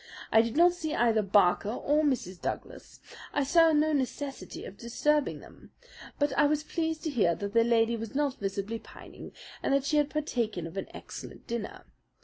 I did not see either Barker or Mrs. Douglas. I saw no necessity to disturb them; but I was pleased to hear that the lady was not visibly pining and that she had partaken of an excellent dinner.